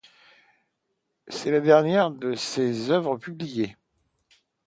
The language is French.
C'est la dernière de ses œuvres publiées.